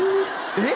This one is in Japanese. えっ？